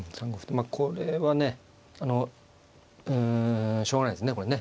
まあこれはねうんしょうがないですねこれね。